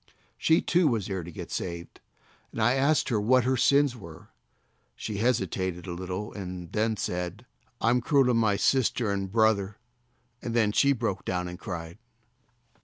She, too, was there to get saved, and I asked what her sins were. She hesitated a little and then said : "I'm cruel to my sister and brother;" and then she broke down and cried.